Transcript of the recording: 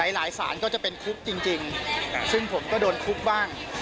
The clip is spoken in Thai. สารก็จะเป็นคุกจริงซึ่งผมก็โดนคุกบ้าง